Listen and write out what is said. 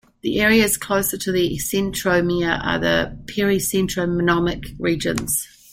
The areas closer to the centromere are the pericentronomic regions.